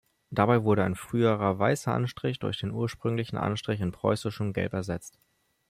Dabei wurde ein früherer weißer Anstrich durch den ursprünglichen Anstrich in preußischem Gelb ersetzt.